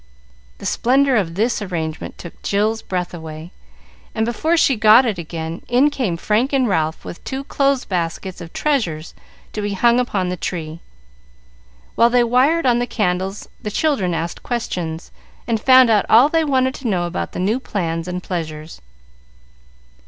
The splendor of this arrangement took Jill's breath away, and before she got it again, in came Frank and Ralph with two clothes baskets of treasures to be hung upon the tree. While they wired on the candles the children asked questions, and found out all they wanted to know about the new plans and pleasures.